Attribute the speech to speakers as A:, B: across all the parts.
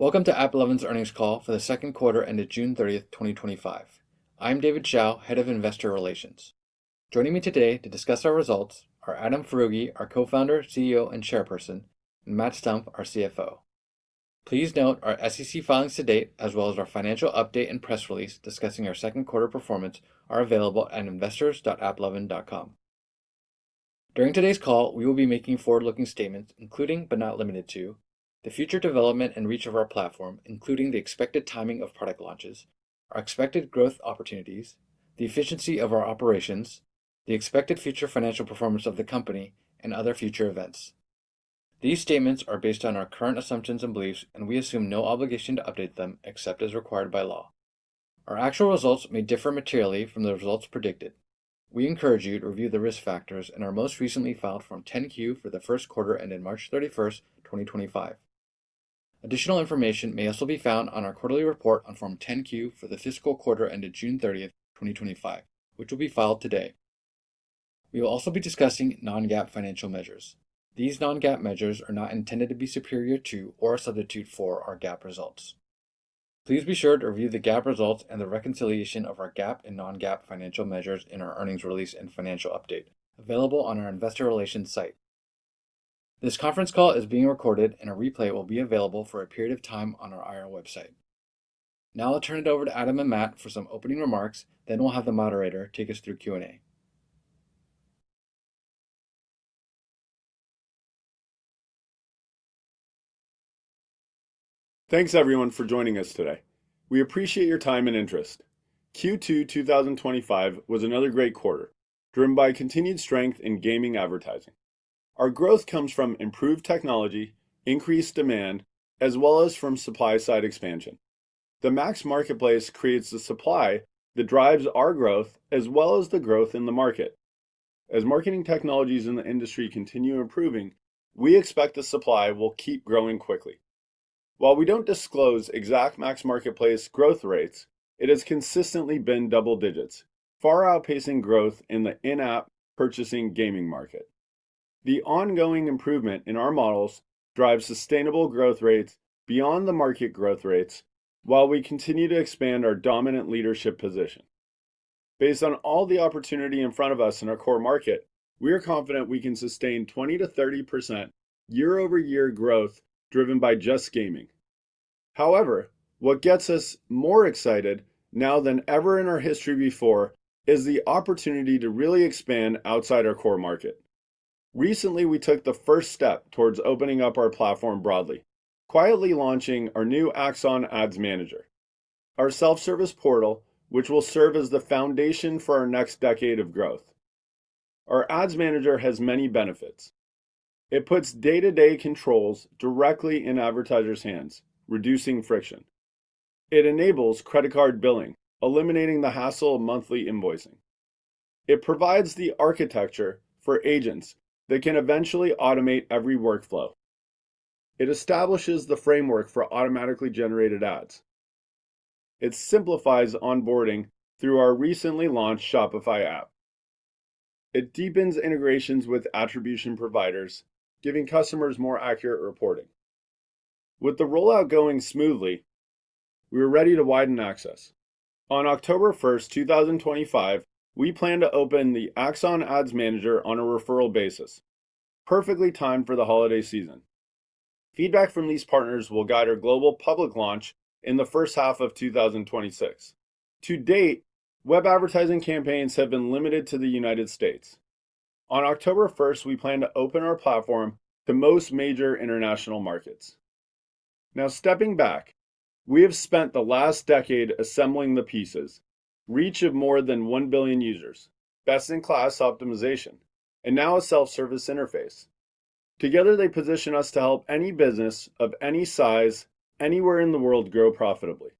A: Welcome to AppLovin's earnings call for the second quarter ended June 30th, 2025. I'm David Hsiao, Head of Investor Relations. Joining me today to discuss our results are Adam Foroughi, our Co-founder, CEO, and Chairperson, and Matt Stumpf, our CFO. Please note our SEC filings to date, as well as our financial update and press release discussing our second quarter performance, are available at investors.applovin.com. During today's call, we will be making forward-looking statements, including but not limited to the future development and reach of our platform, including the expected timing of product launches, our expected growth opportunities, the efficiency of our operations, the expected future financial performance of the company, and other future events. These statements are based on our current assumptions and beliefs, and we assume no obligation to update them except as required by law. Our actual results may differ materially from the results predicted. We encourage you to review the risk factors in our most recently filed Form 10-Q for the first quarter ended March 31st, 2025. Additional information may also be found on our quarterly report on Form 10-Q for the fiscal quarter ended June 30th, 2025, which will be filed today. We will also be discussing non-GAAP financial measures. These non-GAAP measures are not intended to be superior to or a substitute for our GAAP results. Please be sure to review the GAAP results and the reconciliation of our GAAP and non-GAAP financial measures in our earnings release and financial update, available on our Investor Relations site. This conference call is being recorded, and a replay will be available for a period of time on our IR website. Now I'll turn it over to Adam and Matt for some opening remarks, then we'll have the moderator take us through Q&A.
B: Thanks everyone for joining us today. We appreciate your time and interest. Q2 2025 was another great quarter, driven by continued strength in gaming advertising. Our growth comes from improved technology, increased demand, as well as from supply-side expansion. The MAX Marketplace creates the supply that drives our growth, as well as the growth in the market. As marketing technologies in the industry continue improving, we expect the supply will keep growing quickly. While we don't disclose exact MAX Marketplace growth rates, it has consistently been double digits, far outpacing growth in the in-app purchasing gaming market. The ongoing improvement in our models drives sustainable growth rates beyond the market growth rates, while we continue to expand our dominant leadership position. Based on all the opportunity in front of us in our core market, we are confident we can sustain 20%-30% year-over-year growth driven by just gaming. However, what gets us more excited now than ever in our history before is the opportunity to really expand outside our core market. Recently, we took the first step towards opening up our platform broadly, quietly launching our new Axon Ads Manager, our self-service portal, which will serve as the foundation for our next decade of growth. Our Ads Manager has many benefits. It puts day-to-day controls directly in advertisers' hands, reducing friction. It enables credit card billing, eliminating the hassle of monthly invoicing. It provides the architecture for agents that can eventually automate every workflow. It establishes the framework for automatically generated ads. It simplifies onboarding through our recently launched Shopify app. It deepens integrations with attribution providers, giving customers more accurate reporting. With the rollout going smoothly, we are ready to widen access. On October 1st, 2025, we plan to open the Axon Ads Manager on a referral basis, perfectly timed for the holiday season. Feedback from these partners will guide our global public launch in the first half of 2026. To date, web advertising campaigns have been limited to the United States. On October 1st, we plan to open our platform to most major international markets. Now, stepping back, we have spent the last decade assembling the pieces: reach of more than 1 billion users, best-in-class optimization, and now a self-service interface. Together, they position us to help any business of any size anywhere in the world grow profitably.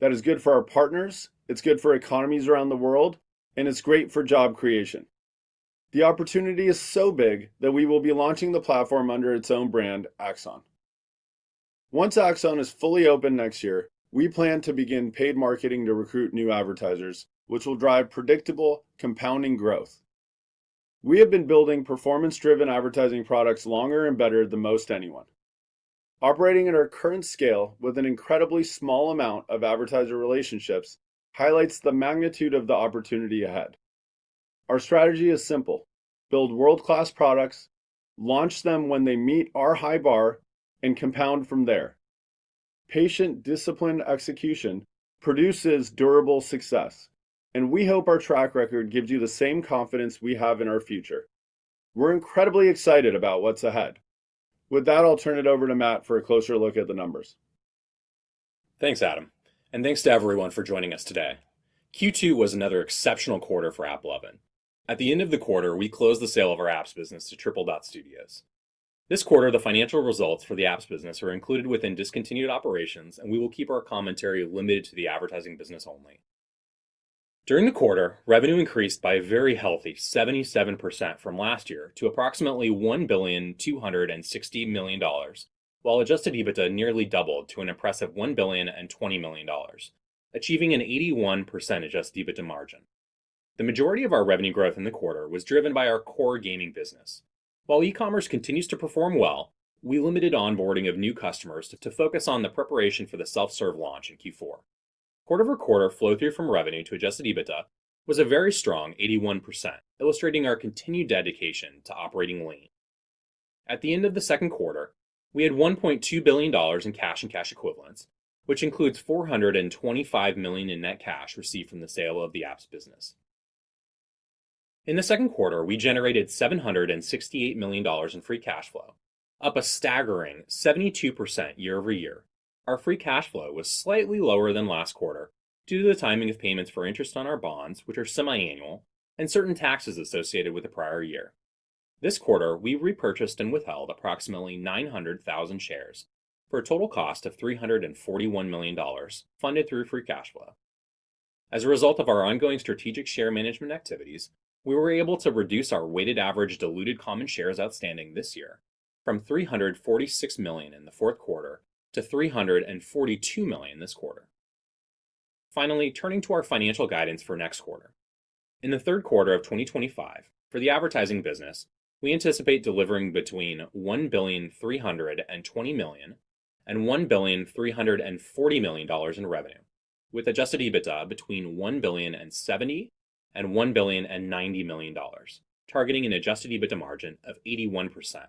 B: That is good for our partners, it's good for economies around the world, and it's great for job creation. The opportunity is so big that we will be launching the platform under its own brand, Axon. Once Axon is fully open next year, we plan to begin paid marketing to recruit new advertisers, which will drive predictable, compounding growth. We have been building performance-driven advertising products longer and better than most anyone. Operating at our current scale with an incredibly small amount of advertiser relationships highlights the magnitude of the opportunity ahead. Our strategy is simple: build world-class products, launch them when they meet our high bar, and compound from there. Patient, disciplined execution produces durable success, and we hope our track record gives you the same confidence we have in our future. We're incredibly excited about what's ahead. With that, I'll turn it over to Matt for a closer look at the numbers.
C: Thanks, Adam, and thanks to everyone for joining us today. Q2 was another exceptional quarter for AppLovin. At the end of the quarter, we closed the sale of our apps business to Tripledot Studios. This quarter, the financial results for the apps business are included within discontinued operations, and we will keep our commentary limited to the advertising business only. During the quarter, revenue increased by a very healthy 77% from last year to approximately $1.26 billion, while Adjusted EBITDA nearly doubled to an impressive $1.02 billion, achieving an 81% Adjusted EBITDA margin. The majority of our revenue growth in the quarter was driven by our core gaming business. While e-commerce continues to perform well, we limited onboarding of new customers to focus on the preparation for the self-serve launch in Q4. Quarter-over-quarter flow-through from revenue to Adjusted EBITDA was a very strong 81%, illustrating our continued dedication to operating lean. At the end of the second quarter, we had $1.2 billion in cash and cash equivalents, which includes $425 million in net cash received from the sale of the apps business. In the second quarter, we generated $768 million in Free Cash Flow, up a staggering 72% year-over-year. Our Free Cash Flow was slightly lower than last quarter due to the timing of payments for interest on our bonds, which are semi-annual, and certain taxes associated with the prior year. This quarter, we repurchased and withheld approximately 900,000 shares for a total cost of $341 million funded through Free Cash Flow. As a result of our ongoing strategic share management activities, we were able to reduce our weighted average diluted common shares outstanding this year from 346 million in the fourth quarter to 342 million this quarter. Finally, turning to our financial guidance for next quarter. In the third quarter of 2025, for the advertising business, we anticipate delivering between $1.32 billion and $1.34 billion in revenue, with Adjusted EBITDA between $1.07 billion and $1.09 billion, targeting an Adjusted EBITDA margin of 81%.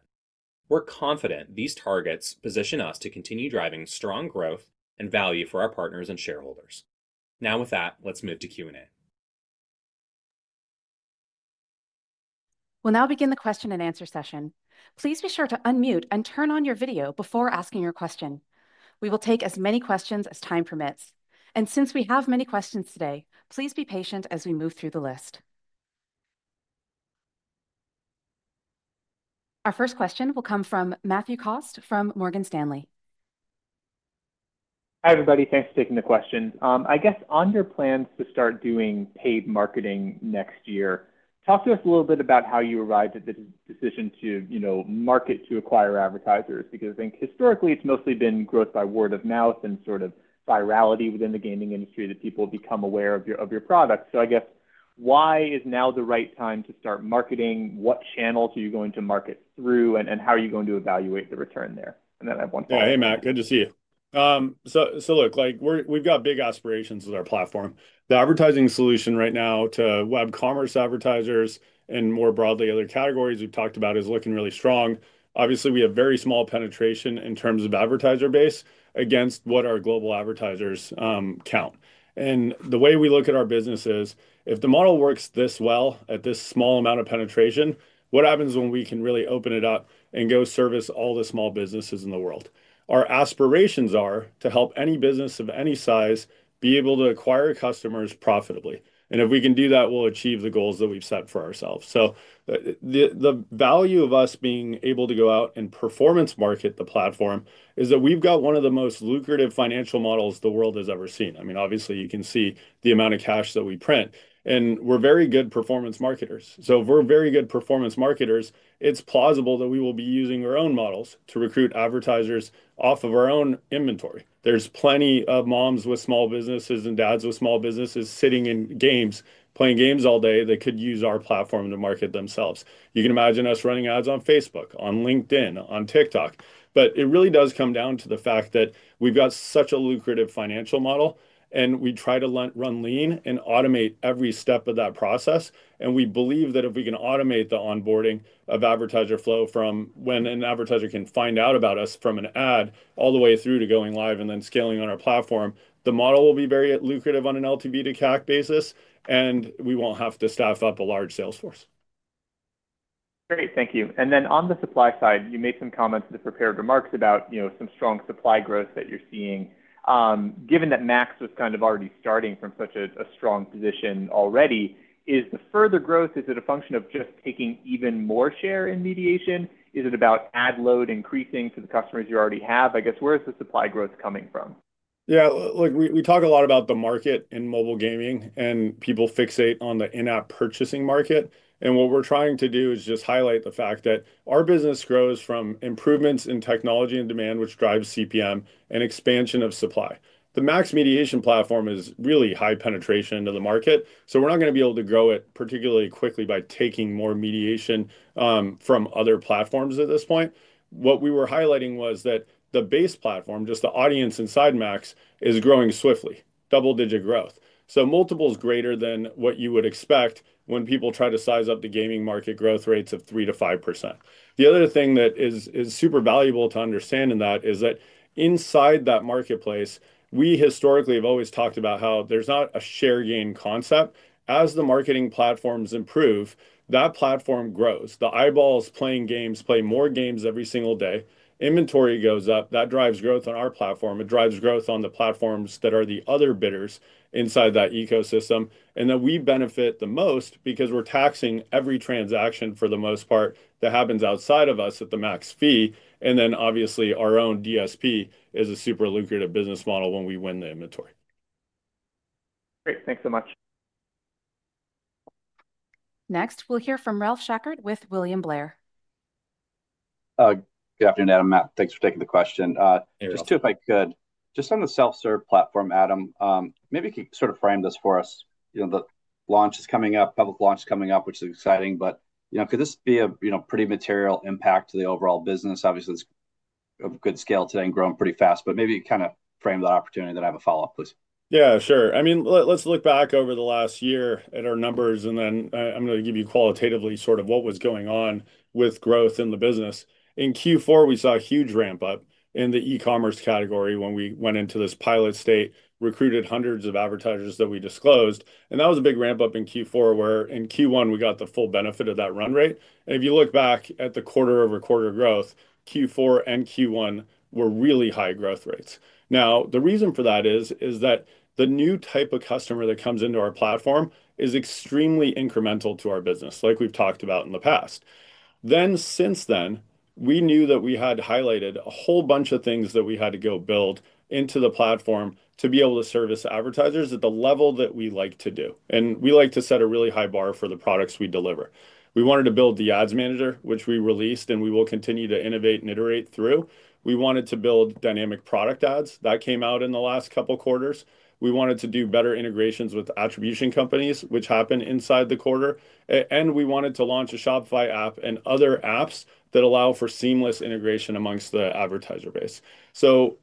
C: We're confident these targets position us to continue driving strong growth and value for our partners and shareholders. Now, with that, let's move to Q&A.
D: We'll now begin the question and answer session. Please be sure to unmute and turn on your video before asking your question. We will take as many questions as time permits. Since we have many questions today, please be patient as we move through the list. Our first question will come from Matthew Cost from Morgan Stanley.
E: Hi, everybody. Thanks for taking the question. I guess on your plans to start doing paid marketing next year, talk to us a little bit about how you arrived at the decision to market to acquire advertisers, because I think historically it's mostly been growth by word of mouth and sort of virality within the gaming industry that people become aware of your product. I guess why is now the right time to start marketing? What channels are you going to market through, and how are you going to evaluate the return there? I have one question.
B: Yeah, hey, Matt. Good to see you. Look, we've got big aspirations with our platform. The advertising solution right now to web commerce advertisers and more broadly other categories we've talked about is looking really strong. Obviously, we have very small penetration in terms of advertiser base against what our global advertisers count. The way we look at our business is, if the model works this well at this small amount of penetration, what happens when we can really open it up and go service all the small businesses in the world? Our aspirations are to help any business of any size be able to acquire customers profitably. If we can do that, we'll achieve the goals that we've set for ourselves. The value of us being able to go out and performance market the platform is that we've got one of the most lucrative financial models the world has ever seen. I mean, obviously, you can see the amount of cash that we print, and we're very good performance marketers. If we're very good performance marketers, it's plausible that we will be using our own models to recruit advertisers off of our own inventory. There's plenty of moms with small businesses and dads with small businesses sitting in games, playing games all day that could use our platform to market themselves. You can imagine us running ads on Facebook, on LinkedIn, on TikTok. It really does come down to the fact that we've got such a lucrative financial model, and we try to run lean and automate every step of that process. We believe that if we can automate the onboarding of advertiser flow from when an advertiser can find out about us from an ad all the way through to going live and then scaling on our platform, the model will be very lucrative on an LTV to CAC basis, and we won't have to staff up a large sales force.
E: Great, thank you. On the supply side, you made some comments in the prepared remarks about some strong supply growth that you're seeing. Given that MAX was kind of already starting from such a strong position already, is the further growth a function of just taking even more share in mediation? Is it about ad load increasing to the customers you already have? I guess where is the supply growth coming from?
B: Yeah, look, we talk a lot about the market in mobile gaming, and people fixate on the in-app purchasing market. What we're trying to do is just highlight the fact that our business grows from improvements in technology and demand, which drives CPM and expansion of supply. The MAX mediation platform is really high penetration into the market. We're not going to be able to grow it particularly quickly by taking more mediation from other platforms at this point. What we were highlighting was that the base platform, just the audience inside MAX, is growing swiftly, double-digit growth. Multiples greater than what you would expect when people try to size up the gaming market growth rates of 3%-5%. The other thing that is super valuable to understand in that is that inside that marketplace, we historically have always talked about how there's not a share gain concept. As the marketing platforms improve, that platform grows. The eyeballs playing games play more games every single day. Inventory goes up. That drives growth on our platform. It drives growth on the platforms that are the other bidders inside that ecosystem. We benefit the most because we're taxing every transaction for the most part that happens outside of us at the MAX fee. Obviously, our own DSP is a super lucrative business model when we win the inventory.
E: Great, thanks so much.
D: Next, we'll hear from Ralph Schackart with William Blair.
F: Good afternoon, Adam. Matt, thanks for taking the question. Just on the self-serve platform, Adam, maybe you could sort of frame this for us. The launch is coming up, public launch is coming up, which is exciting. Could this be a pretty material impact to the overall business? Obviously, it's of good scale today and growing pretty fast, but maybe you kind of frame the opportunity. I have a follow-up, please.
B: Yeah, sure. I mean, let's look back over the last year at our numbers, and then I'm going to give you qualitatively sort of what was going on with growth in the business. In Q4, we saw a huge ramp-up in the e-commerce category when we went into this pilot state, recruited hundreds of advertisers that we disclosed. That was a big ramp-up in Q4 where in Q1 we got the full benefit of that run rate. If you look back at the quarter-over-quarter growth, Q4 and Q1 were really high growth rates. The reason for that is that the new type of customer that comes into our platform is extremely incremental to our business, like we've talked about in the past. Since then, we knew that we had highlighted a whole bunch of things that we had to go build into the platform to be able to service advertisers at the level that we like to do. We like to set a really high bar for the products we deliver. We wanted to build the Ads Manager, which we released and we will continue to innovate and iterate through. We wanted to build dynamic product ads that came out in the last couple of quarters. We wanted to do better integrations with attribution providers, which happened inside the quarter. We wanted to launch a Shopify app and other apps that allow for seamless integration amongst the advertiser base.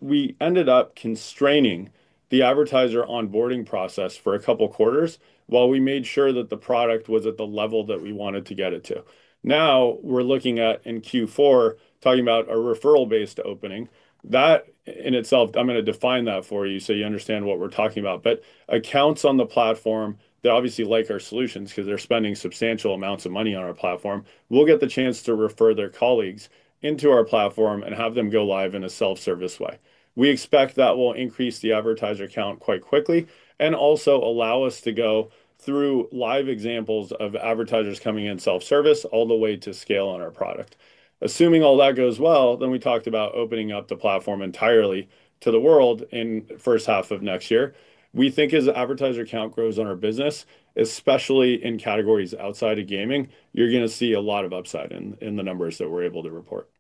B: We ended up constraining the advertiser onboarding process for a couple of quarters while we made sure that the product was at the level that we wanted to get it to. Now we're looking at, in Q4, talking about a referral-based opening. That in itself, I'm going to define that for you so you understand what we're talking about. Accounts on the platform that obviously like our solutions because they're spending substantial amounts of money on our platform will get the chance to refer their colleagues into our platform and have them go live in a self-serve way. We expect that will increase the advertiser count quite quickly and also allow us to go through live examples of advertisers coming in self-serve all the way to scale on our product. Assuming all that goes well, we talked about opening up the platform entirely to the world in the first half of next year. We think as the advertiser count grows on our business, especially in categories outside of gaming, you're going to see a lot of upside in the numbers that we're able to report.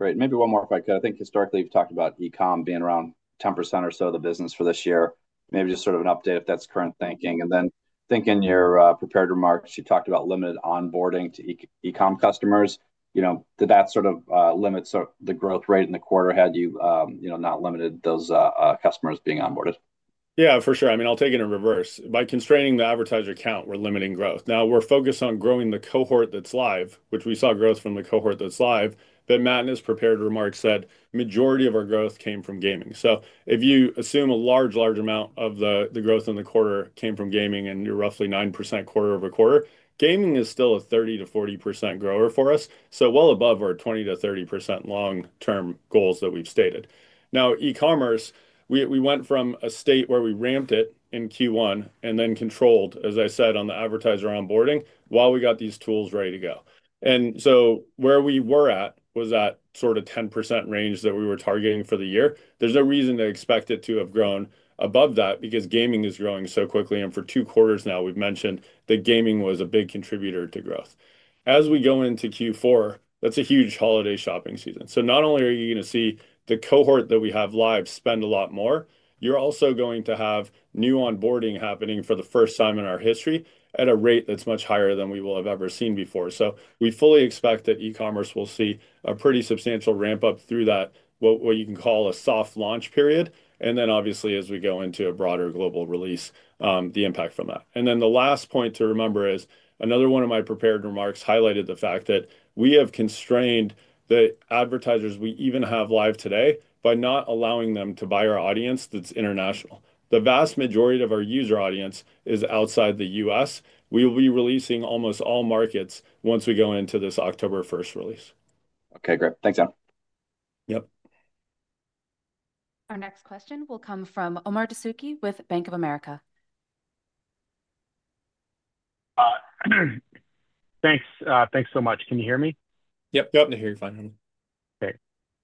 F: Great. Maybe one more quick, because I think historically you've talked about e-comm being around 10% or so of the business for this year. Maybe just sort of an update if that's current thinking. I think in your prepared remarks, you talked about limited onboarding to e-comm customers. Did that sort of limit the growth rate in the quarter ahead? Not limited those customers being onboarded.
B: Yeah, for sure. I'll take it in reverse. By constraining the advertiser count, we're limiting growth. Now we're focused on growing the cohort that's live, which we saw growth from the cohort that's live. Then Matt, in his prepared remarks, said the majority of our growth came from gaming. If you assume a large, large amount of the growth in the quarter came from gaming and you're roughly 9% quarter-over-quarter, gaming is still a 30%-40% grower for us, well above our 20%-30% long-term goals that we've stated. Now e-commerce, we went from a state where we ramped it in Q1 and then controlled, as I said, on the advertiser onboarding while we got these tools ready to go. Where we were at was that sort of 10% range that we were targeting for the year. There's no reason to expect it to have grown above that because gaming is growing so quickly. For two quarters now, we've mentioned that gaming was a big contributor to growth. As we go into Q4, that's a huge holiday shopping season. Not only are you going to see the cohort that we have live spend a lot more, you're also going to have new onboarding happening for the first time in our history at a rate that's much higher than we will have ever seen before. We fully expect that e-commerce will see a pretty substantial ramp-up through that, what you can call a soft launch period. Obviously, as we go into a broader global release, the impact from that. The last point to remember is another one of my prepared remarks highlighted the fact that we have constrained the advertisers we even have live today by not allowing them to buy our audience that's international. The vast majority of our user audience is outside the U.S. We will be releasing almost all markets once we go into this October 1st release.
F: OK, great. Thanks, Adam.
B: Yep.
D: Our next question will come from Omar Dessouky with Bank of America.
G: Thanks so much. Can you hear me?
B: Yep, yep, I hear you fine.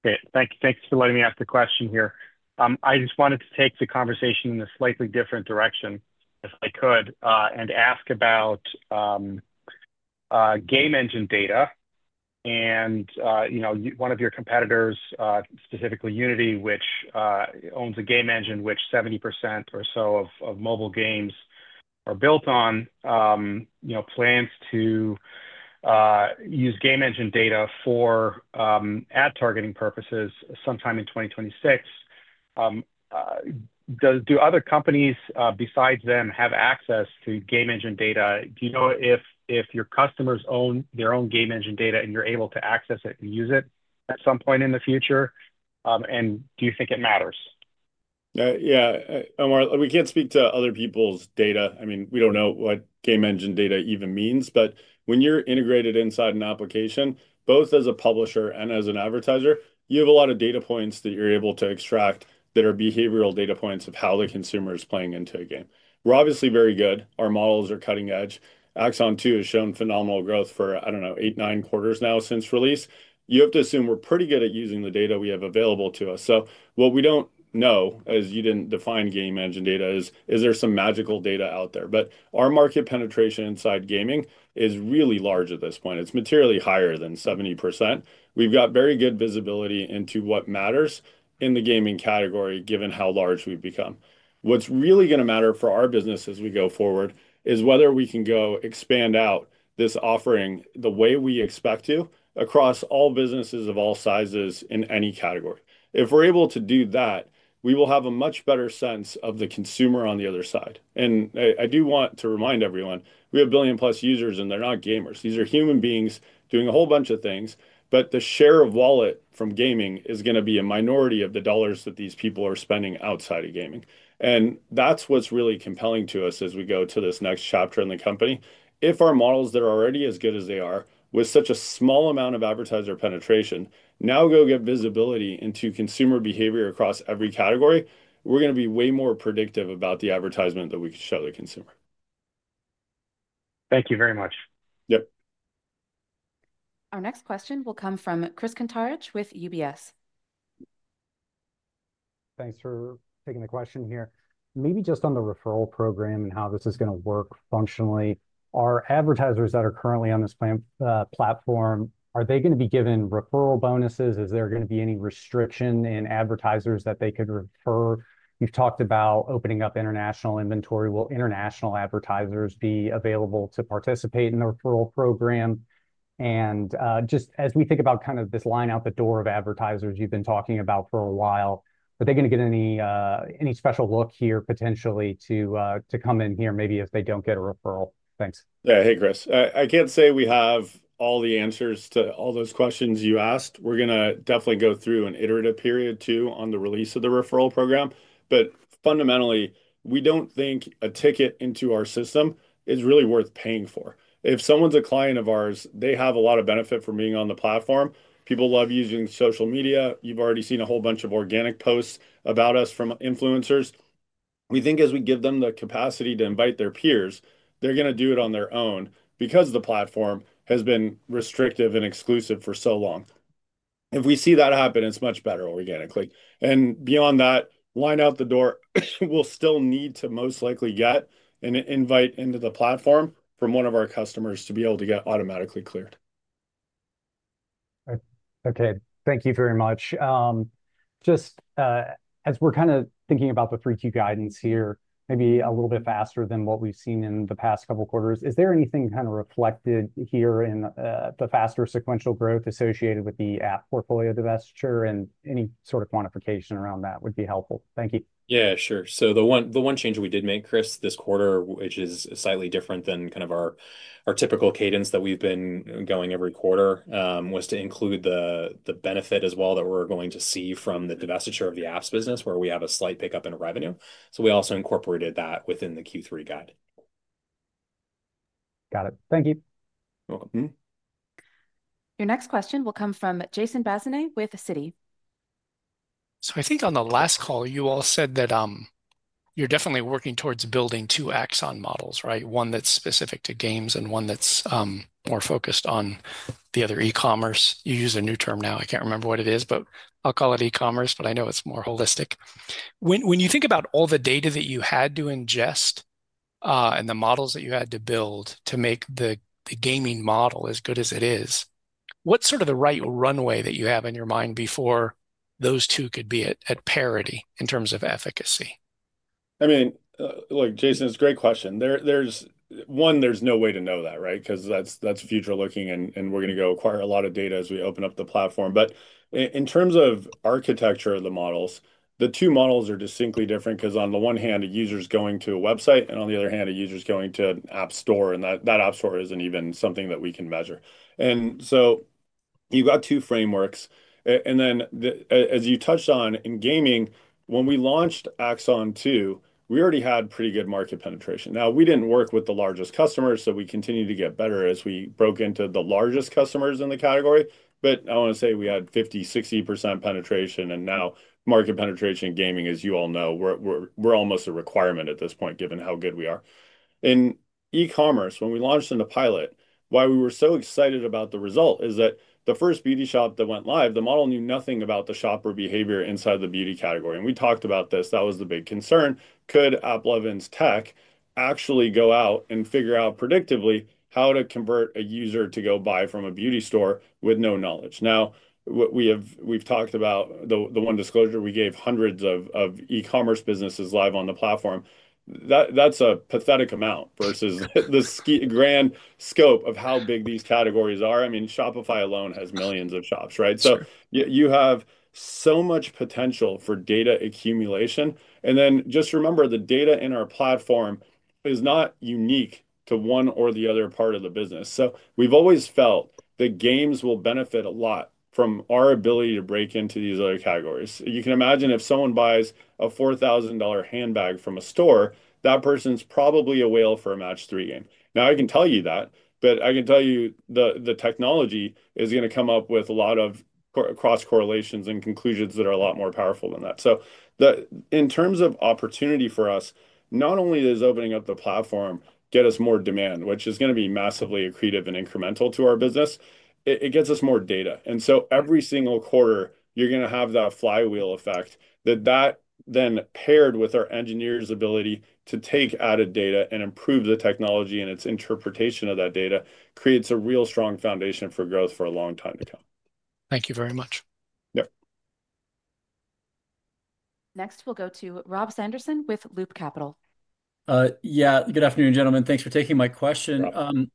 G: Great. Thanks for letting me ask the question here. I just wanted to take the conversation in a slightly different direction, if I could, and ask about game engine data. One of your competitors, specifically Unity, which owns a game engine which 70% or so of mobile games are built on, plans to use game engine data for ad targeting purposes sometime in 2026. Do other companies besides them have access to game engine data? Do you know if your customers own their own game engine data and you're able to access it and use it at some point in the future? Do you think it matters?
B: Yeah, Omar, we can't speak to other people's data. I mean, we don't know what game engine data even means. When you're integrated inside an application, both as a publisher and as an advertiser, you have a lot of data points that you're able to extract that are behavioral data points of how the consumer is playing into a game. We're obviously very good. Our models are cutting-edge. Axon 2 has shown phenomenal growth for, I don't know, eight, nine quarters now since release. You have to assume we're pretty good at using the data we have available to us. What we don't know, as you didn't define game engine data, is if there is some magical data out there. Our market penetration inside gaming is really large at this point. It's materially higher than 70%. We've got very good visibility into what matters in the gaming category, given how large we've become. What's really going to matter for our business as we go forward is whether we can go expand out this offering the way we expect to across all businesses of all sizes in any category. If we're able to do that, we will have a much better sense of the consumer on the other side. I do want to remind everyone, we have a billion-plus users, and they're not gamers. These are human beings doing a whole bunch of things. The share of wallet from gaming is going to be a minority of the dollars that these people are spending outside of gaming. That's what's really compelling to us as we go to this next chapter in the company. If our models that are already as good as they are, with such a small amount of advertiser penetration, now go get visibility into consumer behavior across every category, we're going to be way more predictive about the advertisement that we can show the consumer.
G: Thank you very much.
B: Yep.
D: Our next question will come from Chris Kuntarich with UBS.
H: Thanks for taking the question here. Maybe just on the referral program and how this is going to work functionally, are advertisers that are currently on this platform going to be given referral bonuses? Is there going to be any restriction in advertisers that they could refer? You've talked about opening up international inventory. Will international advertisers be available to participate in the referral program? As we think about this line out the door of advertisers you've been talking about for a while, are they going to get any special look here potentially to come in here maybe if they don't get a referral? Thanks.
B: Yeah, hey, Chris. I can't say we have all the answers to all those questions you asked. We're going to definitely go through an iterative period too on the release of the referral program. Fundamentally, we don't think a ticket into our system is really worth paying for. If someone's a client of ours, they have a lot of benefit from being on the platform. People love using social media. You've already seen a whole bunch of organic posts about us from influencers. We think as we give them the capacity to invite their peers, they're going to do it on their own because the platform has been restrictive and exclusive for so long. If we see that happen, it's much better organically. Beyond that, line out the door, we'll still need to most likely get an invite into the platform from one of our customers to be able to get automatically cleared.
H: Okay, thank you very much. Just as we're kind of thinking about the three-key guidance here, maybe a little bit faster than what we've seen in the past couple of quarters, is there anything reflected here in the faster sequential growth associated with the app portfolio divestiture? Any sort of quantification around that would be helpful. Thank you.
C: Yeah, sure. The one change we did make, Chris, this quarter, which is slightly different than kind of our typical cadence that we've been going every quarter, was to include the benefit as well that we're going to see from the divestiture of the apps business, where we have a slight pickup in revenue. We also incorporated that within the Q3 guide.
H: Got it. Thank you.
C: You're welcome.
D: Your next question will come from Jason Bazinet with Citi.
I: I think on the last call, you all said that you're definitely working towards building two Axon models, right? One that's specific to games and one that's more focused on the other e-commerce. You use a new term now. I can't remember what it is, but I'll call it e-commerce, but I know it's more holistic. When you think about all the data that you had to ingest and the models that you had to build to make the gaming model as good as it is, what's sort of the right runway that you have in your mind before those two could be at parity in terms of efficacy?
B: I mean, Jason, it's a great question. One, there's no way to know that, right? Because that's future looking, and we're going to go acquire a lot of data as we open up the platform. In terms of architecture of the models, the two models are distinctly different because on the one hand, a user is going to a website, and on the other hand, a user is going to an app store, and that app store isn't even something that we can measure. You've got two frameworks. As you touched on, in gaming, when we launched Axon 2, we already had pretty good market penetration. We didn't work with the largest customers, so we continued to get better as we broke into the largest customers in the category. I want to say we had 50%, 60% penetration, and now market penetration in gaming, as you all know, we're almost a requirement at this point, given how good we are. In e-commerce, when we launched in the pilot, why we were so excited about the result is that the first beauty shop that went live, the model knew nothing about the shopper behavior inside the beauty category. We talked about this. That was the big concern. Could AppLovin's tech actually go out and figure out predictively how to convert a user to go buy from a beauty store with no knowledge? We've talked about the one disclosure we gave, hundreds of e-commerce businesses live on the platform. That's a pathetic amount versus the grand scope of how big these categories are. Shopify alone has millions of shops, right? You have so much potential for data accumulation. Just remember, the data in our platform is not unique to one or the other part of the business. We've always felt that games will benefit a lot from our ability to break into these other categories. You can imagine if someone buys a $4,000 handbag from a store, that person's probably a whale for a match three game. I can tell you that, but I can tell you the technology is going to come up with a lot of cross-correlations and conclusions that are a lot more powerful than that. In terms of opportunity for us, not only does opening up the platform get us more demand, which is going to be massively accretive and incremental to our business, it gets us more data. Every single quarter, you're going to have that flywheel effect, that then paired with our engineers' ability to take added data and improve the technology and its interpretation of that data creates a real strong foundation for growth for a long time to come.
I: Thank you very much.
B: Yep.
D: Next, we'll go to Rob Sanderson with Loop Capital.
J: Yeah, good afternoon, gentlemen. Thanks for taking my question.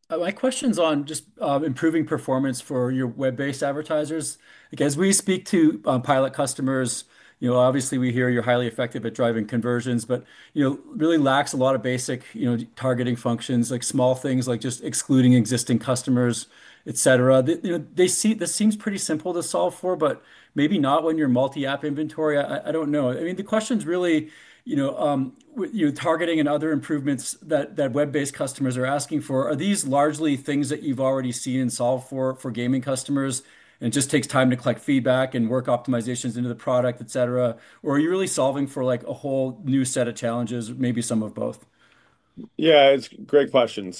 J: My question's on just improving performance for your web-based advertisers. As we speak to pilot customers, obviously we hear you're highly effective at driving conversions, but really lacks a lot of basic targeting functions, like small things like just excluding existing customers, etc. This seems pretty simple to solve for, but maybe not when you're multi-app inventory. I don't know. The question's really, with your targeting and other improvements that web-based customers are asking for, are these largely things that you've already seen and solved for gaming customers and just take time to collect feedback and work optimizations into the product, etc.? Or are you really solving for like a whole new set of challenges, maybe some of both?
B: Yeah, it's a great question.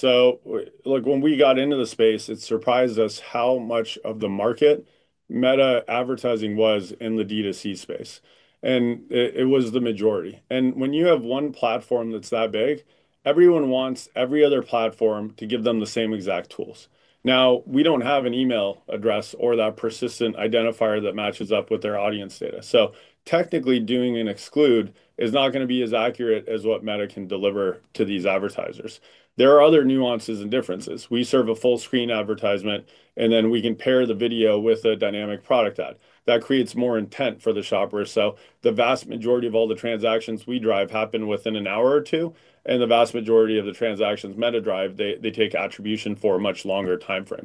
B: When we got into the space, it surprised us how much of the market Meta advertising was in the D2C space. It was the majority. When you have one platform that's that big, everyone wants every other platform to give them the same exact tools. We don't have an email address or that persistent identifier that matches up with their audience data. Technically, doing an exclude is not going to be as accurate as what Meta can deliver to these advertisers. There are other nuances and differences. We serve a full-screen advertisement, and then we can pair the video with a dynamic product ad. That creates more intent for the shoppers. The vast majority of all the transactions we drive happen within an hour or two. The vast majority of the transactions Meta drives, they take attribution for a much longer time frame.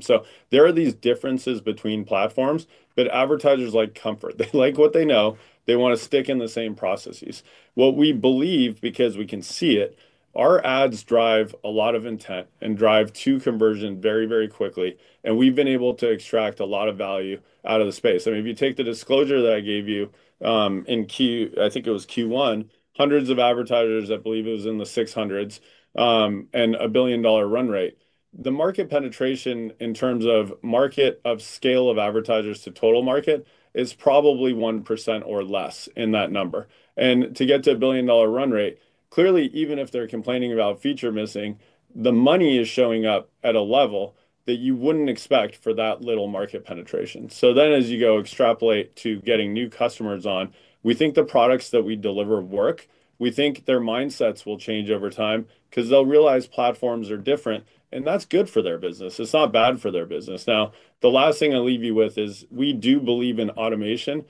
B: There are these differences between platforms, but advertisers like comfort. They like what they know. They want to stick in the same processes. What we believe, because we can see it, our ads drive a lot of intent and drive to conversion very, very quickly. We've been able to extract a lot of value out of the space. If you take the disclosure that I gave you in Q1, hundreds of advertisers, I believe it was in the 600s, and a $1 billion run rate, the market penetration in terms of market of scale of advertisers to total market is probably 1% or less in that number. To get to a $1 billion run rate, clearly, even if they're complaining about feature missing, the money is showing up at a level that you wouldn't expect for that little market penetration. As you go extrapolate to getting new customers on, we think the products that we deliver work. We think their mindsets will change over time because they'll realize platforms are different, and that's good for their business. It's not bad for their business. The last thing I'll leave you with is we do believe in automation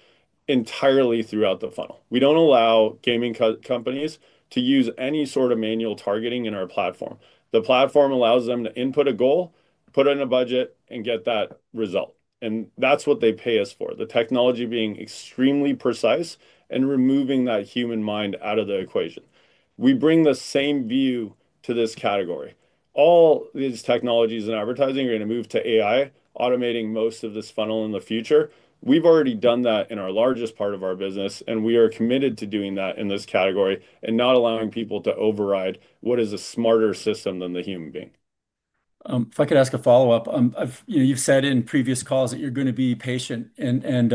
B: entirely throughout the funnel. We don't allow gaming companies to use any sort of manual targeting in our platform. The platform allows them to input a goal, put in a budget, and get that result. That's what they pay us for, the technology being extremely precise and removing that human mind out of the equation. We bring the same view to this category. All these technologies and advertising are going to move to AI, automating most of this funnel in the future. We've already done that in our largest part of our business, and we are committed to doing that in this category and not allowing people to override what is a smarter system than the human being.
J: If I could ask a follow-up, you've said in previous calls that you're going to be patient, and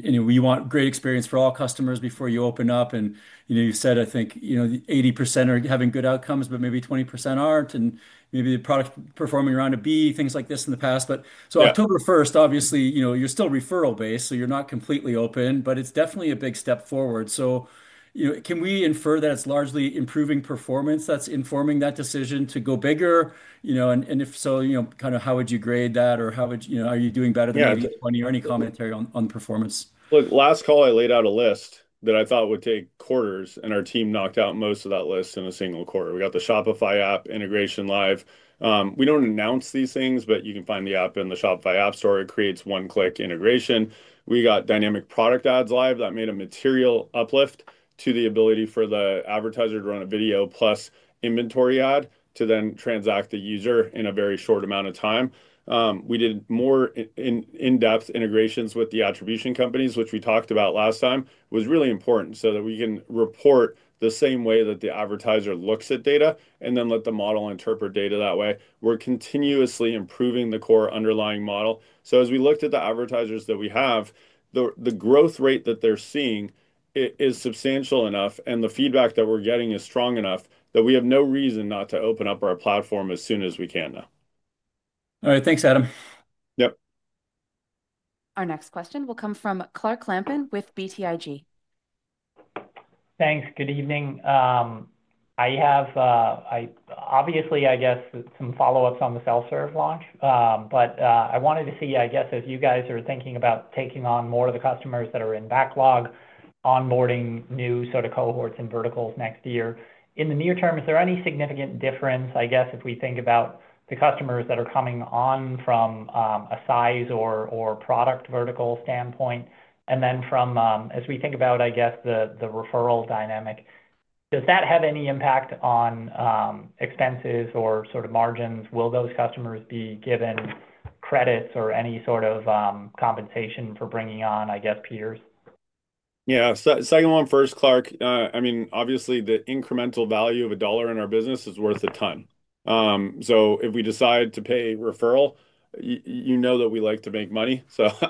J: we want great experience for all customers before you open up. You've said, I think, you know, 80% are having good outcomes, but maybe 20% aren't, and maybe the product's performing around a B, things like this in the past. October 1st, obviously, you know, you're still referral-based, so you're not completely open, but it's definitely a big step forward. Can we infer that it's largely improving performance that's informing that decision to go bigger? If so, you know, kind of how would you grade that, or how would you know, are you doing better than maybe the one-year? Any commentary on the performance?
B: Look, last call, I laid out a list that I thought would take quarters, and our team knocked out most of that list in a single quarter. We got the Shopify app integration live. We don't announce these things, but you can find the app in the Shopify App Store. It creates one-click integration. We got dynamic product ads live that made a material uplift to the ability for the advertiser to run a video plus inventory ad to then transact the user in a very short amount of time. We did more in-depth integrations with the attribution providers, which we talked about last time, was really important so that we can report the same way that the advertiser looks at data and then let the model interpret data that way. We're continuously improving the core underlying model. As we looked at the advertisers that we have, the growth rate that they're seeing is substantial enough, and the feedback that we're getting is strong enough that we have no reason not to open up our platform as soon as we can now.
J: All right, thanks, Adam.
B: Yep.
D: Our next question will come from Clark Lampen with BTIG.
K: Thanks. Good evening. I have some follow-ups on the self-serve launch, but I wanted to see, as you guys are thinking about taking on more of the customers that are in backlog, onboarding new cohorts and verticals next year. In the near term, is there any significant difference if we think about the customers that are coming on from a size or product vertical standpoint? As we think about the referral dynamic, does that have any impact on expenses or margins? Will those customers be given credits or any sort of compensation for bringing on peers?
B: Yeah, second one first, Clark. Obviously, the incremental value of a dollar in our business is worth a ton. If we decide to pay referral, you know that we like to make money.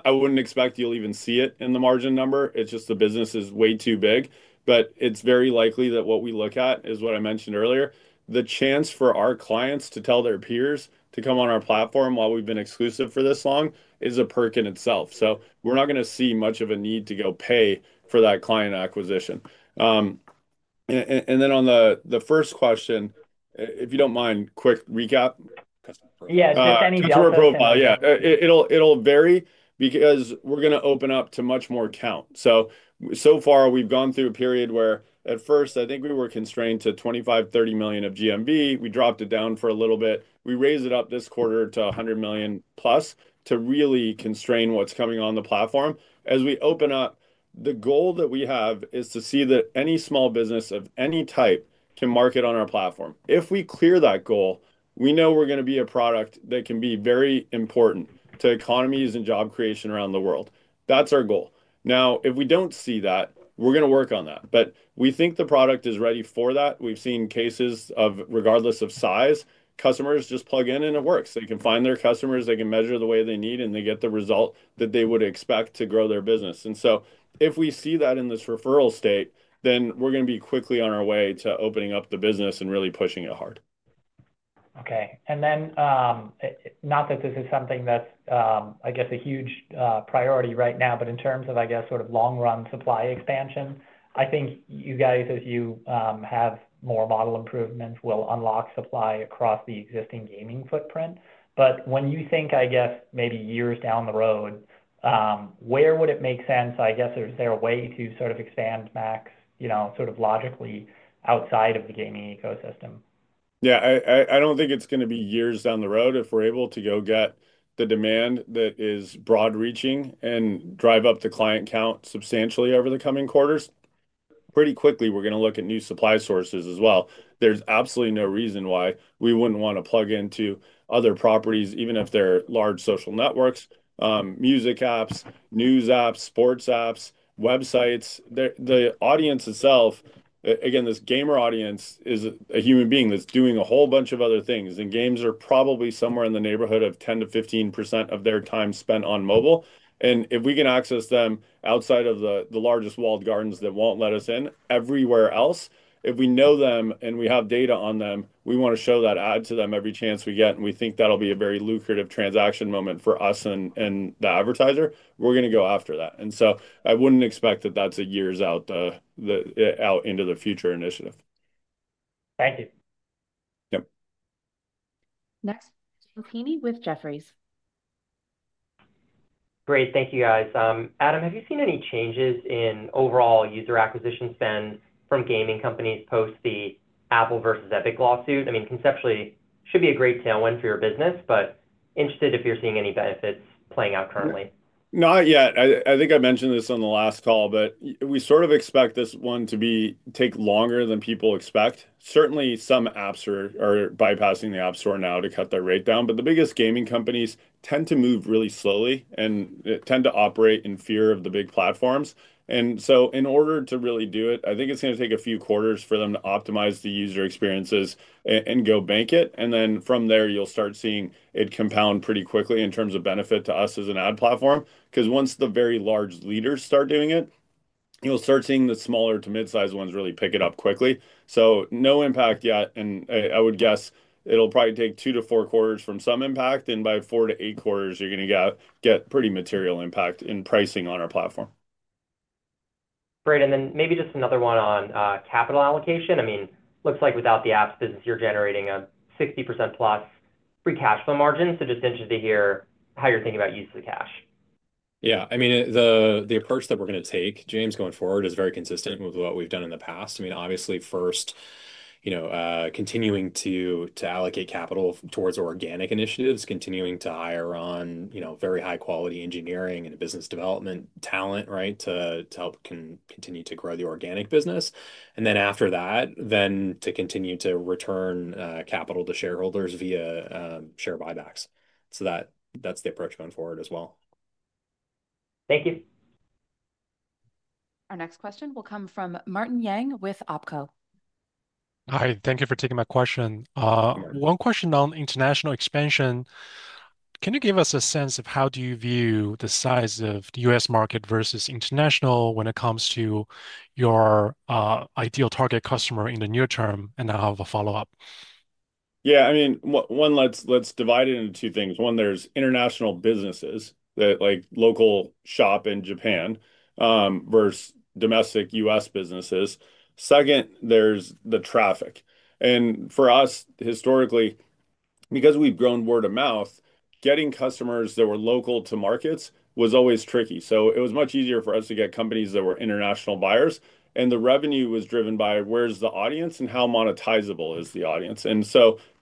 B: I wouldn't expect you'll even see it in the margin number. The business is way too big. It is very likely that what we look at is what I mentioned earlier, the chance for our clients to tell their peers to come on our platform while we've been exclusive for this long is a perk in itself. We're not going to see much of a need to go pay for that client acquisition. On the first question, if you don't mind, quick recap.
K: Yeah, just any job.
B: It'll vary because we're going to open up to much more count. So far, we've gone through a period where at first, I think we were constrained to $25 million, $30 million of GMV. We dropped it down for a little bit. We raised it up this quarter to $100 million+ to really constrain what's coming on the platform. As we open up, the goal that we have is to see that any small business of any type can market on our platform. If we clear that goal, we know we're going to be a product that can be very important to economies and job creation around the world. That's our goal. If we don't see that, we're going to work on that. We think the product is ready for that. We've seen cases of, regardless of size, customers just plug in and it works. They can find their customers. They can measure the way they need, and they get the result that they would expect to grow their business. If we see that in this referral state, then we're going to be quickly on our way to opening up the business and really pushing it hard.
K: OK. Not that this is something that's, I guess, a huge priority right now, but in terms of, I guess, sort of long-run supply expansion, I think you guys, as you have more model improvements, will unlock supply across the existing gaming footprint. When you think, I guess, maybe years down the road, where would it make sense, I guess, is there a way to sort of expand MAX, you know, sort of logically outside of the gaming ecosystem?
B: Yeah, I don't think it's going to be years down the road if we're able to go get the demand that is broad-reaching and drive up the client count substantially over the coming quarters. Pretty quickly, we're going to look at new supply sources as well. There's absolutely no reason why we wouldn't want to plug into other properties, even if they're large social networks, music apps, news apps, sports apps, websites. The audience itself, again, this gamer audience is a human being that's doing a whole bunch of other things. Games are probably somewhere in the neighborhood of 10%-15% of their time spent on mobile. If we can access them outside of the largest walled gardens that won't let us in, everywhere else, if we know them and we have data on them, we want to show that ad to them every chance we get. We think that'll be a very lucrative transaction moment for us and the advertiser. We're going to go after that. I wouldn't expect that that's a years out into the future initiative.
K: Thank you.
B: Yep.
D: Next, James Heaney with Jefferies.
L: Great, thank you, guys. Adam, have you seen any changes in overall user acquisition spend from gaming companies post the Apple versus Epic lawsuit? I mean, conceptually, it should be a great tailwind for your business, but interested if you're seeing any benefits playing out currently.
B: Not yet. I think I mentioned this on the last call, but we sort of expect this one to take longer than people expect. Certainly, some apps are bypassing the App Store now to cut their rate down. The biggest gaming companies tend to move really slowly and tend to operate in fear of the big platforms. In order to really do it, I think it's going to take a few quarters for them to optimize the user experiences and go bank it. From there, you'll start seeing it compound pretty quickly in terms of benefit to us as an ad platform. Once the very large leaders start doing it, you'll start seeing the smaller to mid-sized ones really pick it up quickly. No impact yet. I would guess it'll probably take two to four quarters for some impact. By four to eight quarters, you're going to get pretty material impact in pricing on our platform.
L: Great. Maybe just another one on capital allocation. It looks like without the apps, you're generating a 60%+ Free Cash Flow margin. Just interested to hear how you're thinking about use of the cash.
C: Yeah, I mean, the approach that we're going to take, James, going forward is very consistent with what we've done in the past. Obviously, first, you know, continuing to allocate capital towards organic initiatives, continuing to hire on very high-quality engineering and business development talent, right, to help continue to grow the organic business. After that, to continue to return capital to shareholders via share buybacks. That's the approach going forward as well.
L: Thank you.
D: Our next question will come from Martin Yang with Oppenheimer & Co.
M: Hi, thank you for taking my question. One question on international expansion. Can you give us a sense of how you view the size of the U.S. market versus international when it comes to your ideal target customer in the near term? I'll have a follow-up.
B: Yeah, I mean, one, let's divide it into two things. One, there's international businesses that like local shop in Japan versus domestic U.S. businesses. Second, there's the traffic. For us, historically, because we've grown word of mouth, getting customers that were local to markets was always tricky. It was much easier for us to get companies that were international buyers. The revenue was driven by where's the audience and how monetizable is the audience.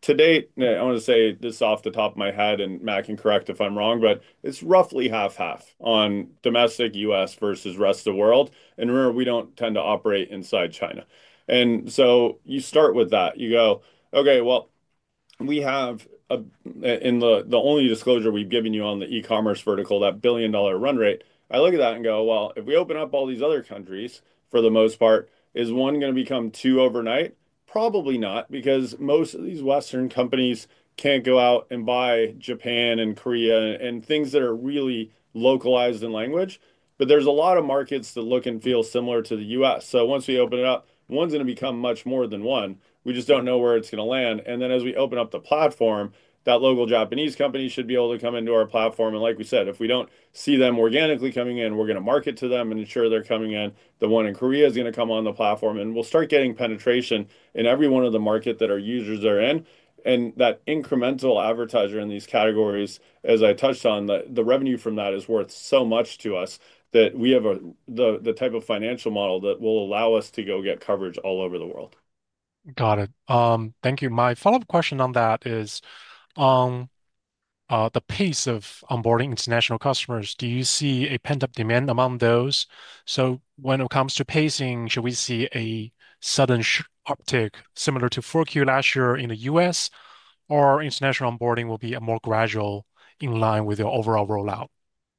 B: Today, I want to say this off the top of my head, and Matt can correct if I'm wrong, but it's roughly half-half on domestic U.S. versus the rest of the world. Remember, we don't tend to operate inside China. You start with that. You go, OK, we have in the only disclosure we've given you on the e-commerce vertical, that billion-dollar run rate. I look at that and go, if we open up all these other countries for the most part, is one going to become two overnight? Probably not, because most of these Western companies can't go out and buy Japan and Korea and things that are really localized in language. There's a lot of markets that look and feel similar to the U.S. Once we open it up, one's going to become much more than one. We just don't know where it's going to land. As we open up the platform, that local Japanese company should be able to come into our platform. Like we said, if we don't see them organically coming in, we're going to market to them and ensure they're coming in. The one in Korea is going to come on the platform. We'll start getting penetration in every one of the markets that our users are in. That incremental advertiser in these categories, as I touched on, the revenue from that is worth so much to us that we have the type of financial model that will allow us to go get coverage all over the world.
M: Got it. Thank you. My follow-up question on that is the pace of onboarding international customers. Do you see a pent-up demand among those? When it comes to pacing, should we see a sudden uptick similar to 4Q last year in the U.S., or international onboarding will be more gradual in line with the overall rollout?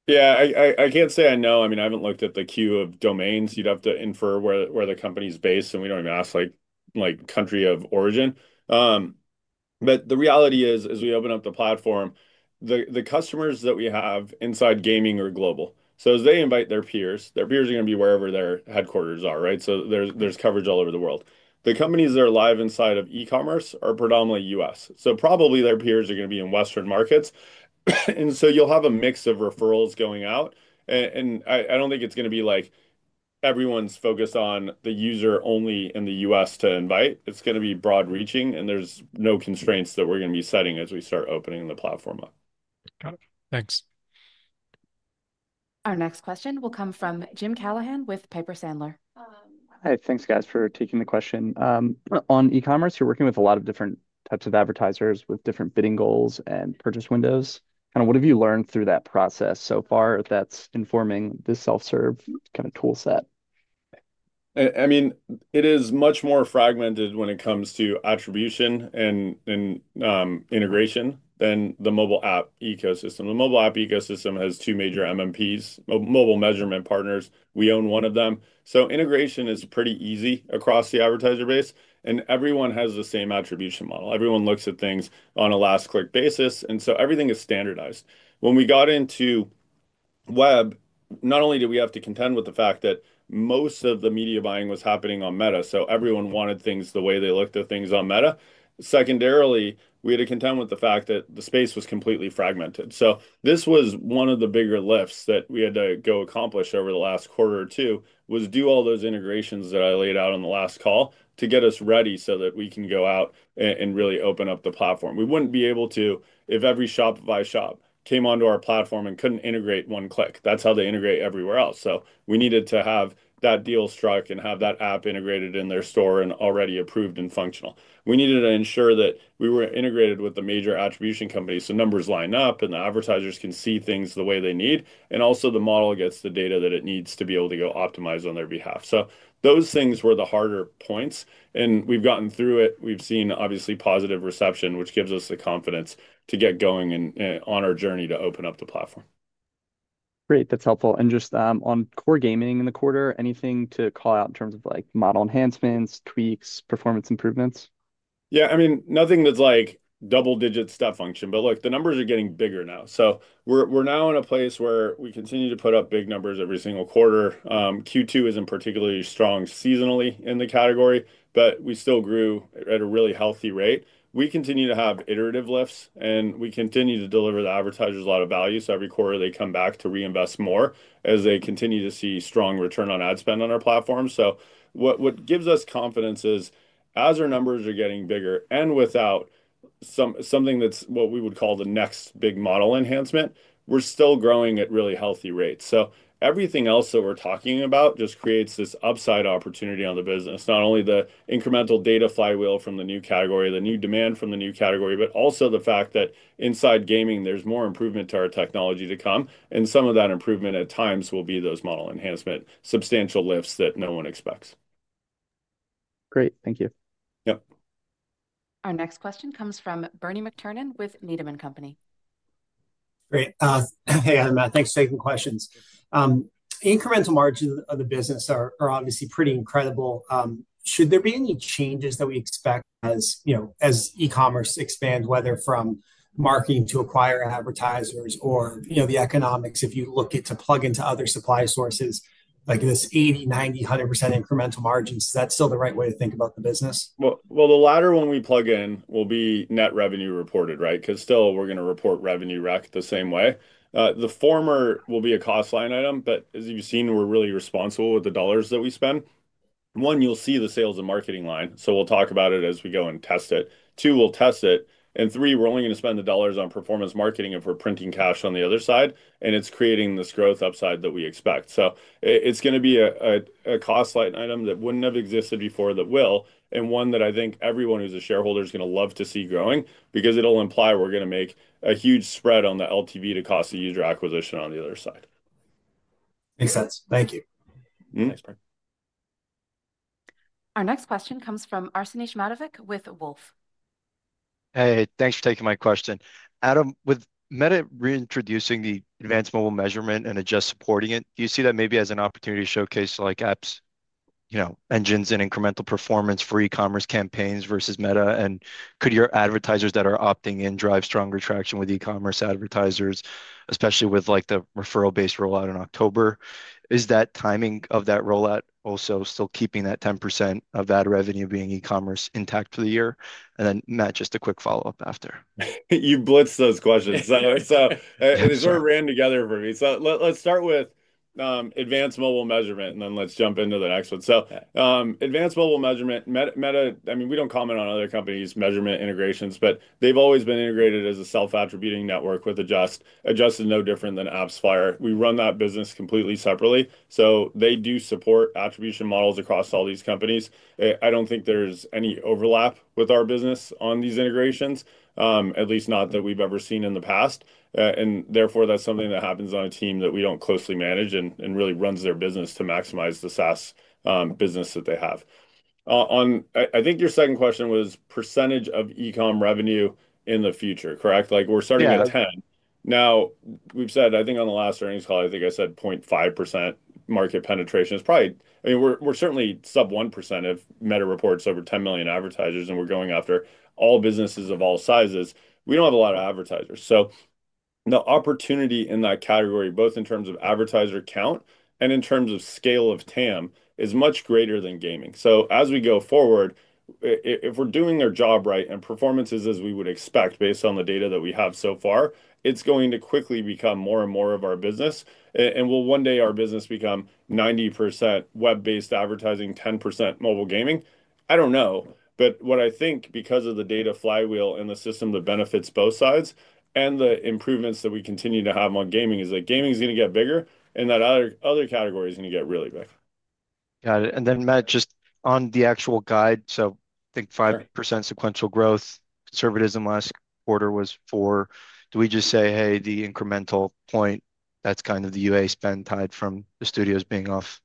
B: Yeah, I can't say I know. I mean, I haven't looked at the queue of domains. You'd have to infer where the company is based. We don't even ask like country of origin. The reality is, as we open up the platform, the customers that we have inside gaming are global. As they invite their peers, their peers are going to be wherever their headquarters are, right? There's coverage all over the world. The companies that are live inside of e-commerce are predominantly U.S. Probably their peers are going to be in Western markets, and you'll have a mix of referrals going out. I don't think it's going to be like everyone's focused on the user only in the U.S. to invite. It's going to be broad-reaching, and there's no constraints that we're going to be setting as we start opening the platform up.
M: Got it. Thanks.
D: Our next question will come from Jim Callahan with Piper Sandler.
N: Hi, thanks, guys, for taking the question. On e-commerce, you're working with a lot of different types of advertisers with different bidding goals and purchase windows. What have you learned through that process so far that's informing this self-serve kind of toolset?
B: I mean, it is much more fragmented when it comes to attribution and integration than the mobile app ecosystem. The mobile app ecosystem has two major MMPs, mobile measurement partners. We own one of them. Integration is pretty easy across the advertiser base, and everyone has the same attribution model. Everyone looks at things on a last-click basis, so everything is standardized. When we got into web, not only did we have to contend with the fact that most of the media buying was happening on Meta, so everyone wanted things the way they looked at things on Meta. We also had to contend with the fact that the space was completely fragmented. This was one of the bigger lifts that we had to go accomplish over the last quarter or two, to do all those integrations that I laid out on the last call to get us ready so that we can go out and really open up the platform. We wouldn't be able to if every shop by shop came onto our platform and couldn't integrate one click. That's how they integrate everywhere else. We needed to have that deal struck and have that app integrated in their store and already approved and functional. We needed to ensure that we were integrated with the major attribution companies so numbers line up and the advertisers can see things the way they need. Also, the model gets the data that it needs to be able to go optimize on their behalf. Those things were the harder points, and we've gotten through it. We've seen, obviously, positive reception, which gives us the confidence to get going on our journey to open up the platform.
N: Great, that's helpful. Just on core gaming in the quarter, anything to call out in terms of like model enhancements, tweaks, performance improvements?
B: Yeah, I mean, nothing that's like double-digit step function. Look, the numbers are getting bigger now. We're now in a place where we continue to put up big numbers every single quarter. Q2 isn't particularly strong seasonally in the category, but we still grew at a really healthy rate. We continue to have iterative lifts, and we continue to deliver the advertisers a lot of value. Every quarter, they come back to reinvest more as they continue to see strong return on ad spend on our platform. What gives us confidence is, as our numbers are getting bigger and without something that's what we would call the next big model enhancement, we're still growing at really healthy rates. Everything else that we're talking about just creates this upside opportunity on the business, not only the incremental data flywheel from the new category, the new demand from the new category, but also the fact that inside gaming, there's more improvement to our technology to come. Some of that improvement at times will be those model enhancement substantial lifts that no one expects.
N: Great, thank you.
B: Yep.
D: Our next question comes from Bernie McTernan with Needham & Company.
O: Great. Hey, I'm Matt. Thanks for taking questions. Incremental margins of the business are obviously pretty incredible. Should there be any changes that we expect as e-commerce expands, whether from marketing to acquire advertisers or the economics, if you look to plug into other supply sources like this 80%, 90%, 100% incremental margins, is that still the right way to think about the business?
B: The latter one we plug in will be net revenue reported, right? Because still, we're going to report revenue rec the same way. The former will be a cost line item. As you've seen, we're really responsible with the dollars that we spend. One, you'll see the sales and marketing line. We'll talk about it as we go and test it. Two, we'll test it. Three, we're only going to spend the dollars on performance marketing if we're printing cash on the other side, and it's creating this growth upside that we expect. It's going to be a cost line item that wouldn't have existed before that will, and one that I think everyone who's a shareholder is going to love to see growing because it'll imply we're going to make a huge spread on the LTV to cost of user acquisition on the other side.
O: Makes sense. Thank you.
B: Yeah, sure.
D: Our next question comes from Arsenjie Matovic with Wolfe.
P: Hey, thanks for taking my question. Adam, with Meta reintroducing the Advanced Mobile Measurement and Adjust supporting it, do you see that maybe as an opportunity to showcase like apps, you know, engines and incremental performance for e-commerce campaigns versus Meta? Could your advertisers that are opting in drive stronger traction with e-commerce advertisers, especially with like the referral-based rollout in October? Is that timing of that rollout also still keeping that 10% of that revenue being e-commerce intact for the year? Matt, just a quick follow-up after.
B: You blitzed those questions. They sort of ran together for me. Let's start with Advanced Mobile Measurement, and then jump into the next one. Advanced Mobile Measurement, Meta, I mean, we don't comment on other companies' measurement integrations, but they've always been integrated as a Self-Attributing Network with Adjust. Adjust is no different than AppsFlyer. We run that business completely separately. They do support attribution models across all these companies. I don't think there's any overlap with our business on these integrations, at least not that we've ever seen in the past. Therefore, that's something that happens on a team that we don't closely manage and really runs their business to maximize the SaaS business that they have. I think your second question was percentage of e-com revenue in the future, correct? We're starting at 10%. Now, we've said, I think on the last earnings call, I think I said 0.5% market penetration is probably, I mean, we're certainly sub 1% if Meta reports over 10 million advertisers, and we're going after all businesses of all sizes. We don't have a lot of advertisers. The opportunity in that category, both in terms of advertiser count and in terms of scale of TAM, is much greater than gaming. As we go forward, if we're doing our job right and performance is as we would expect based on the data that we have so far, it's going to quickly become more and more of our business. Will one day our business become 90% web-based advertising, 10% mobile gaming? I don't know. What I think, because of the data flywheel and the system that benefits both sides and the improvements that we continue to have on gaming, is that gaming is going to get bigger, and that other category is going to get really big.
P: Got it. Matt, just on the actual guide, I think 5% sequential growth, conservatism last quarter was 4%. Do we just say, hey, the incremental point, that's kind of the UA spend tied from the studios being off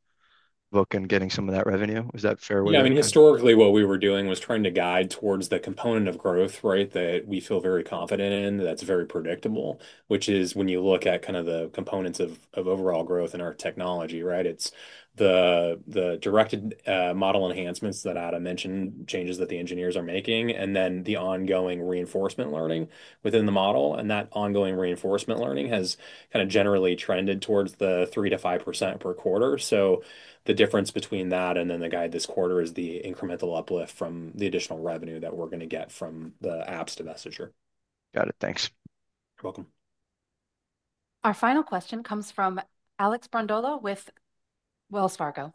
P: the book and getting some of that revenue? Is that fair?
C: Yeah, I mean, historically, what we were doing was trying to guide towards the component of growth, right, that we feel very confident in, that's very predictable, which is when you look at kind of the components of overall growth in our technology, right? It's the directed model enhancements that Adam mentioned, changes that the engineers are making, and the ongoing reinforcement learning within the model. That ongoing reinforcement learning has generally trended towards the 3%-5% per quarter. The difference between that and the guide this quarter is the incremental uplift from the additional revenue that we're going to get from the apps divestiture.
P: Got it. Thanks.
C: You're welcome.
D: Our final question comes from Alec Brondolo with Wells Fargo.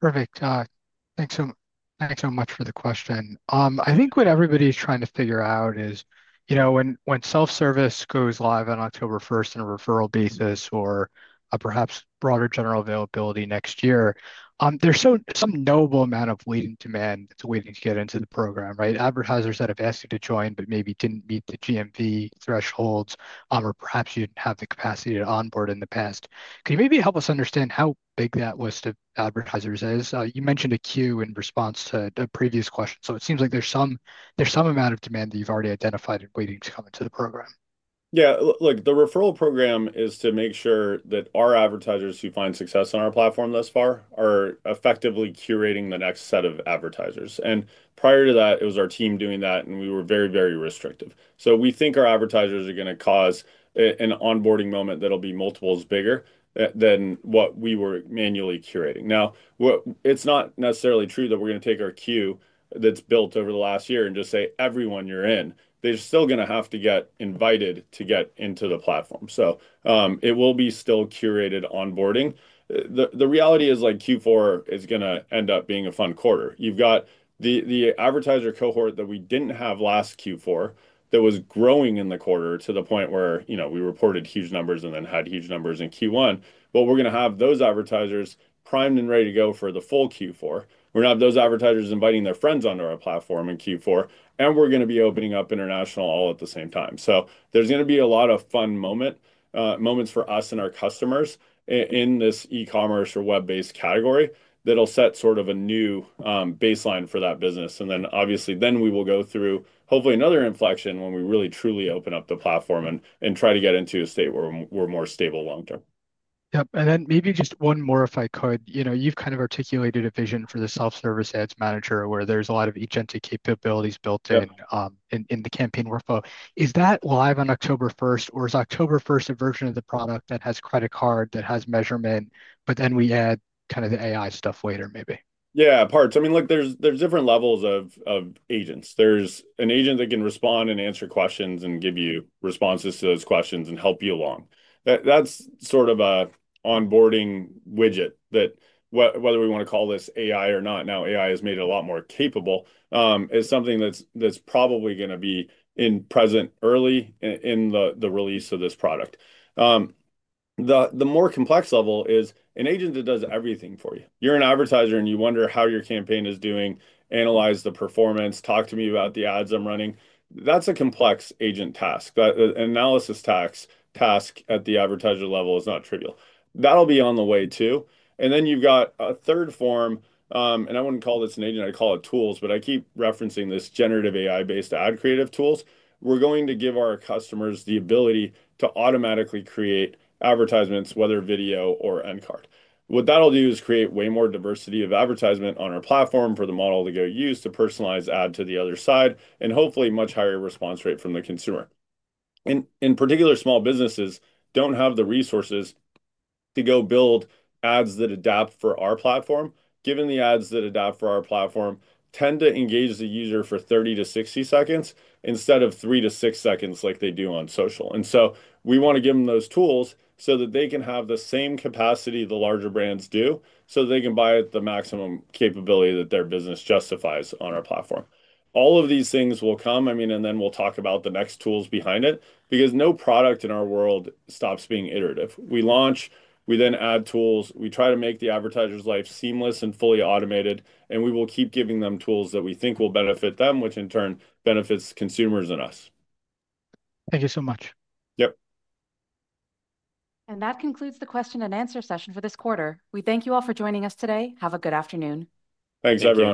Q: Perfect. Thanks so much for the question. I think what everybody's trying to figure out is, you know, when self-service goes live on October 1st on a referral basis or perhaps broader general availability next year, there's some notable amount of latent demand that's waiting to get into the program, right? Advertisers that have asked you to join, but maybe didn't meet the GMV thresholds, or perhaps you didn't have the capacity to onboard in the past. Can you maybe help us understand how big that was to advertisers? You mentioned a Q in response to a previous question. It seems like there's some amount of demand that you've already identified and waiting to come into the program.
B: Yeah, look, the referral program is to make sure that our advertisers who find success on our platform thus far are effectively curating the next set of advertisers. Prior to that, it was our team doing that, and we were very, very restrictive. We think our advertisers are going to cause an onboarding moment that'll be multiples bigger than what we were manually curating. Now, it's not necessarily true that we're going to take our queue that's built over the last year and just say everyone, you're in. They're still going to have to get invited to get into the platform, so it will be still curated onboarding. The reality is Q4 is going to end up being a fun quarter. You've got the advertiser cohort that we didn't have last Q4 that was growing in the quarter to the point where we reported huge numbers and then had huge numbers in Q1. We're going to have those advertisers primed and ready to go for the full Q4. We're going to have those advertisers inviting their friends onto our platform in Q4, and we're going to be opening up international all at the same time. There's going to be a lot of fun moments for us and our customers in this e-commerce or web-based category that'll set sort of a new baseline for that business. Obviously, then we will go through hopefully another inflection when we really truly open up the platform and try to get into a state where we're more stable long term.
Q: Yep. Maybe just one more, if I could. You've kind of articulated a vision for the self-serve Ads Manager where there's a lot of each entity capabilities built in in the campaign workflow. Is that live on October 1st, or is October 1st a version of the product that has credit card, that has measurement, but then we add kind of the AI stuff later maybe?
B: Yeah, parts. I mean, look, there's different levels of agents. There's an agent that can respond and answer questions and give you responses to those questions and help you along. That's sort of an onboarding widget that, whether we want to call this AI or not, now AI has made it a lot more capable, is something that's probably going to be present early in the release of this product. The more complex level is an agent that does everything for you. You're an advertiser and you wonder how your campaign is doing, analyze the performance, talk to me about the ads I'm running. That's a complex agent task. An analysis task at the advertiser level is not trivial. That'll be on the way too. You've got a third form, and I wouldn't call this an agent, I'd call it tools, but I keep referencing this generative AI-based ad creative tools. We're going to give our customers the ability to automatically create advertisements, whether video or end card. What that'll do is create way more diversity of advertisement on our platform for the model to go use to personalize ad to the other side, and hopefully a much higher response rate from the consumer. In particular, small businesses don't have the resources to go build ads that adapt for our platform. Given the ads that adapt for our platform tend to engage the user for 30 to 60 seconds instead of three to six seconds like they do on social. We want to give them those tools so that they can have the same capacity the larger brands do, so they can buy the maximum capability that their business justifies on our platform. All of these things will come, I mean, then we'll talk about the next tools behind it, because no product in our world stops being iterative. We launch, we then add tools, we try to make the advertiser's life seamless and fully automated, and we will keep giving them tools that we think will benefit them, which in turn benefits consumers and us.
Q: Thank you so much.
B: Yep.
D: That concludes the question and answer session for this quarter. We thank you all for joining us today. Have a good afternoon.
B: Thanks, everyone.